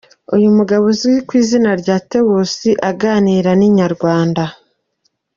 Uyu mugabo uzwi ku izina rya Theos aganira na Inyarwanda.